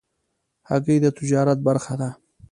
هګۍ د تجارت برخه ده.